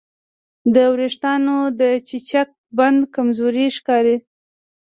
د وېښتیانو چپچپک بدن کمزوری ښکاري.